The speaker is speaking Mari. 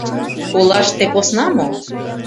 Олаште посна мо?